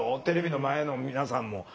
テレビの前の皆さんも。